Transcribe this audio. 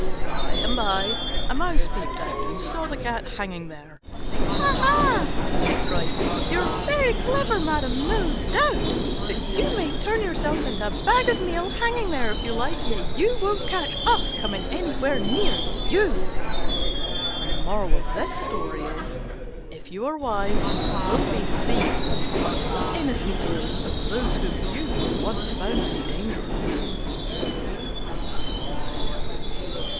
By and by a Mouse peeped out and saw the Cat hanging there. "Aha!" it cried, "you're very clever, madam, no doubt: but you may turn yourself into a bag of meal hanging there, if you like, yet you won't catch us coming anywhere near you." If you are wise you won't be deceived by the innocent airs of those whom you have once found to be dangerous.